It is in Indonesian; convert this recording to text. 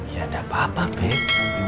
ya ada apa apa bin